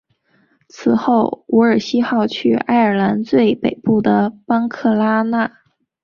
此后伍尔西号去爱尔兰最北部的班克拉纳。